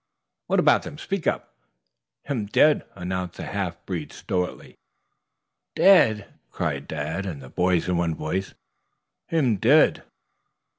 "What about them? Speak up." "Him dead," announced the half breed stolidly. "Dead?" cried Dad and the boys in one voice. "Him dead."